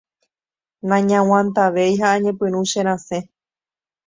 nañaguantavéi ha añepyrũ cherasẽ.